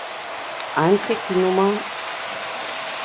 Einzig die Nr.